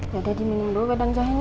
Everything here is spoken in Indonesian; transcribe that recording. yaudah diminum dulu bedan jahenya